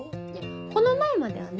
この前まではね。